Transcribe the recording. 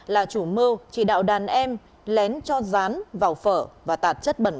là chủ mưu chỉ đạo đàn em lén cho rán vào phở và tạt chất bẩn